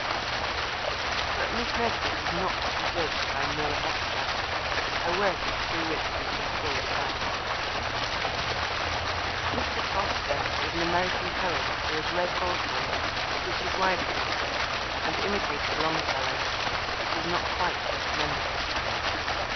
But Miss Nesbit is not to be judged by mere extracts. Her work is too rich and too full for that. Mr. Foster is an American poet who has read Hawthorne, which is wise of him, and imitated Longfellow, which is not quite so commendable.